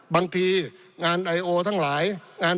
ปี๑เกณฑ์ทหารแสน๒